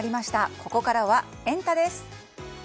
ここからはエンタ！です。